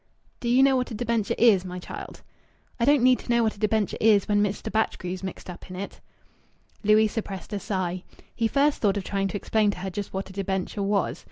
"Do you know what a debenture is, my child?" "I don't need to know what a debenture is, when Mr. Batchgrew's mixed up in it." Louis suppressed a sigh. He first thought of trying to explain to her just what a debenture was.